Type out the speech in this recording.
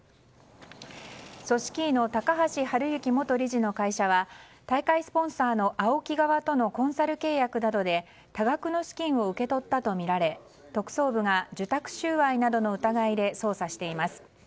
組織委の高橋治之元理事の会社は大会スポンサーのＡＯＫＩ側とのコンサル契約などで多額の資金を受け取ったとみられ特捜部が受託収賄などの疑いで捜査しています。